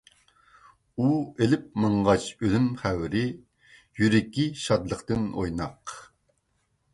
ئۇ ئېلىپ ماڭغاچ ئۆلۈم خەۋىرى يۈرىكى شادلىقتىن ئويناق.